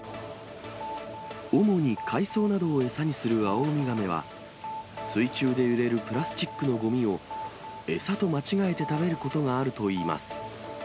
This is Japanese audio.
主に海藻などを餌にするアオウミガメは、水中で揺れるプラスチックのごみを餌と間違えて食べることがあるといいます。